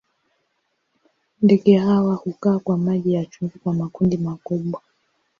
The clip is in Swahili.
Ndege hawa hukaa kwa maji ya chumvi kwa makundi makubwa.